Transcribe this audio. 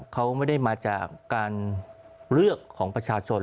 เขาไม่ได้มาจากการเลือกของประชาชน